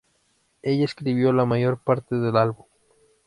Ella escribió la mayor parte del álbum.